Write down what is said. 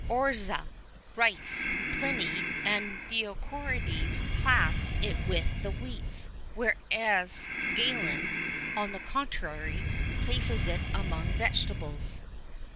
[II 15] Oryza, rice. Pliny[II 16] and Dioscorides[II 17] class it with the wheats; whereas Galen, on the contrary, places it among vegetables.